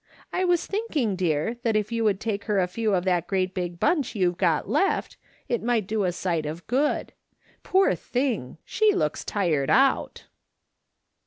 I was thinking, dear, that if you would take her a few of that great big bunch you've got left, it might do a sight of good. Poor thing ! she looks tired out."